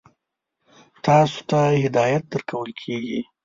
تاسو ته هدایت درکول کېږي.